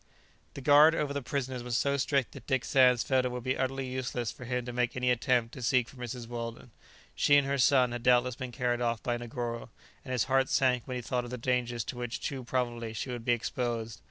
] The guard over the prisoners was so strict that Dick Sands felt it would be utterly useless for him to make any attempt to seek for Mrs. Weldon. She and her son had doubtless been carried off by Negoro, and his heart sank when he thought of the dangers to which too probably she would be exposed.